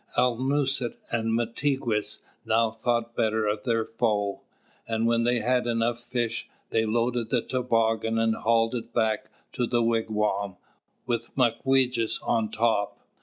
Alnūset and Mātigwess now thought better of their foe, and when they had enough fish, they loaded the toboggan and hauled it back to the wigwam, with Mawquejess on top.